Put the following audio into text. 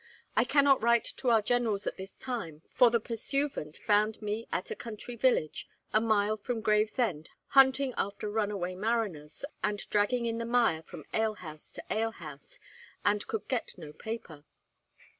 I cannot write to our generals at this time, for the Pursuevant found me at a country village, a mile from Gravesend, hunting after runaway mariners, and dragging in the mire from alehouse to alehouse, and could get no paper.'